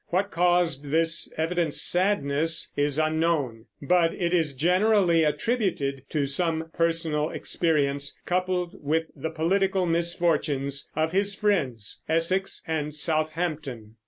What caused this evident sadness is unknown; but it is generally attributed to some personal experience, coupled with the political misfortunes of his friends, Essex and Southampton.